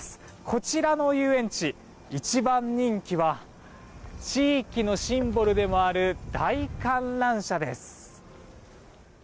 こちらの遊園地、一番人気は地域のシンボルでもある大観覧車です。